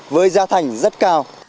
với gia thành rất cao